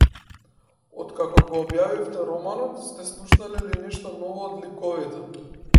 Откако го објавивте романот, сте слушнале ли нешто ново од ликовите?